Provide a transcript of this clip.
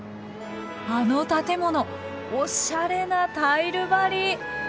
あの建物おしゃれなタイル張り！